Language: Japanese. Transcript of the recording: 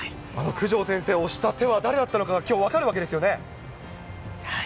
九条先生を押した手は誰だったのか、きょう分かるわけですよね。